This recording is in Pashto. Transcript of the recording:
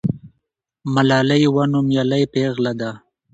ملالۍ یوه نومیالۍ پیغله ده.